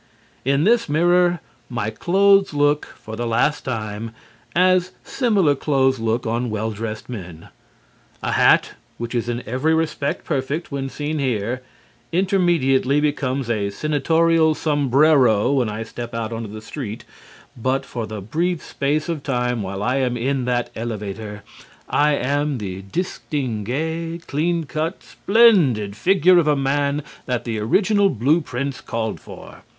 In this mirror, my clothes look (for the last time) as similar clothes look on well dressed men. A hat which is in every respect perfect when seen here, immediately becomes a senatorial sombrero when I step out into the street, but for the brief space of time while I am in that elevator, I am the distingué, clean cut, splendid figure of a man that the original blue prints called for.